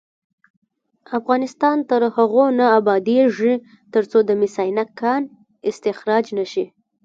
افغانستان تر هغو نه ابادیږي، ترڅو د مس عینک کان استخراج نشي.